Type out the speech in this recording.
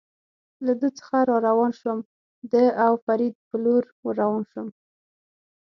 له ده څخه را روان شوم، د او فرید په لور ور روان شوم.